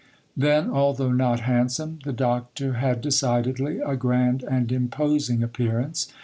Then, although not handsome, the Doctor had decidedly a grand and imposing appearance.